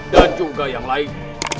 dan juga yang lain